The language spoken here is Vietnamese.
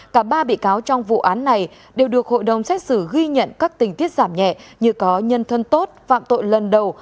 cả ba bị cáo trong vụ án này đều được hội đồng xét xử ghi nhận các tình tiết giảm nhẹ như có nhân thân tốt phạm tội lần đầu